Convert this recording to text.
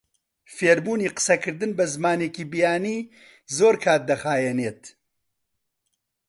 فێربوونی قسەکردن بە زمانێکی بیانی زۆر کات دەخایەنێت.